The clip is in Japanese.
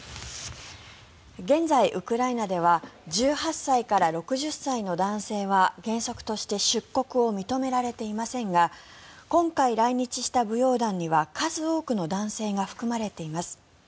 現在、ウクライナでは１８歳から６０歳の男性は原則として出国を認められていませんが今回来日した舞踊団には数多くの男性が含まれています。